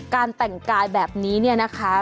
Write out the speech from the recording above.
การแต่งกายแบบนี้เนี่ยนะคะ